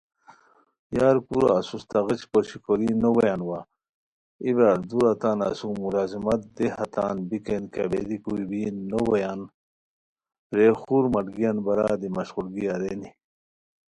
یار کورا اسوس، تہ غیچ پوشی کورین نوبویان وا؟ ایے برار! دوراتان اسوم ملازمت دی دیہ تان بیکین کیہ بیری کوئی بین نوبویان رے خور ملگریان بارا دی مشقولگی ارینی